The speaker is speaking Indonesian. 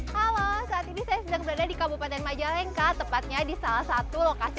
halo saat ini saya sedang berada di kabupaten majalengka tepatnya di salah satu lokasi